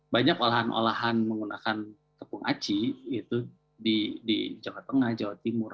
banyak olahan olahan menggunakan tepung aci itu di jawa tengah jawa timur